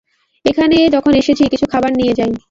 এখানে যখন এসেছি কিছু খাবার নিয়ে যাই!